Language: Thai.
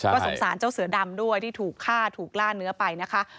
ก็สงสารเจ้าเสือดำด้วยที่ถูกฆ่าถูกล่าเนื้อไปนะคะ